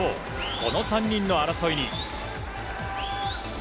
この３人の争いに。